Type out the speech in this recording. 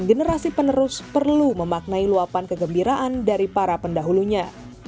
generasi penerus perlu memaknai luapan kegembiraan dari para pendahulunya